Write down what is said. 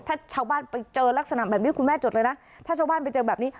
ถ้าชาวบ้านไปเจอลักษณะแบบนี้คุณแม่จดเลยนะถ้าชาวบ้านไปเจอแบบนี้